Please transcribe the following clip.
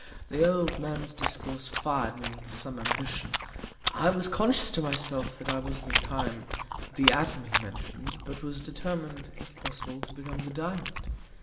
The old Man's Discourse fir'd me with some Ambition; I was conscious to myself that I was at that Time the Atom he mention'd, but was determin'd, if possible, to become the Diamond.